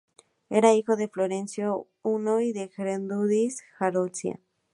Era hijo de Florencio I, y de Gertrudis de Sajonia.